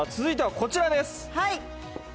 続いてはこちらです。